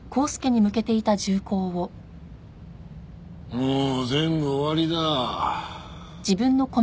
もう全部終わりだ。